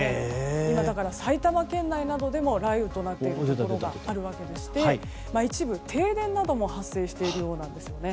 今、埼玉県内などでも雷雨になっているところがありまして一部停電なども発生しているようなんですね。